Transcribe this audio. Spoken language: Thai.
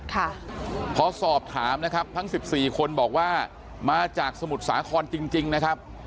เพราะสอบถามนะครับทั้ง๑๔คนบอกว่ามาจากสมุดสาครจริงนะครับ